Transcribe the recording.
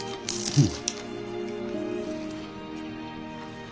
うん。